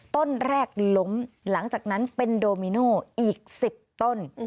ต้นแรกล้มหลังจากนั้นเป็นโดมิโนอีก๑๐ต้น